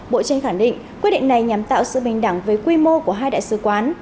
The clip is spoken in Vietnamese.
bộ tranh khẳng định quyết định này nhằm tạo sự bình đẳng với quy mô của hai đại sứ quán